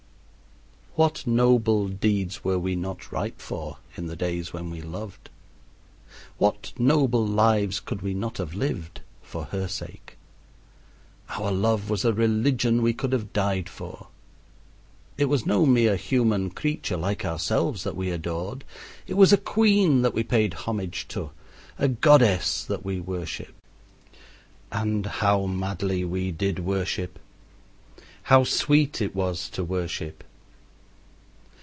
What noble deeds were we not ripe for in the days when we loved? What noble lives could we not have lived for her sake? Our love was a religion we could have died for. It was no mere human creature like ourselves that we adored. It was a queen that we paid homage to, a goddess that we worshiped. And how madly we did worship! And how sweet it was to worship!